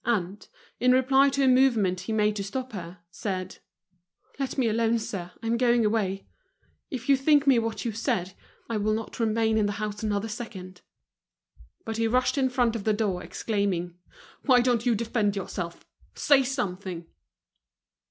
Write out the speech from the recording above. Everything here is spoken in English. And, in reply to a movement he made to stop her, said: "Let me alone, sir, I'm going away. If you think me what you say. I will not remain in the house another second." But be rushed in front of the door, exclaiming: "Why don't you defend yourself'? Say something!"